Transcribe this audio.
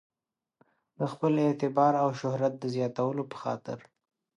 د خپل اعتبار او شهرت د زیاتولو په خاطر.